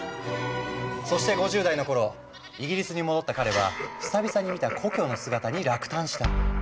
そして５０代の頃イギリスに戻った彼は久々に見た故郷の姿に落胆した。